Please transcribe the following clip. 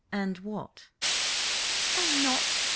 "And what?" "Oh, nought!